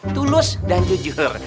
tulus dan jujur